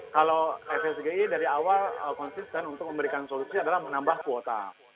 kalau fsgi dari awal konsisten untuk memberikan solusi adalah menambah kuota